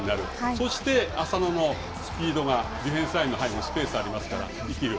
そして浅野のスピードがディフェンスラインに入るスペースありますから、生きる。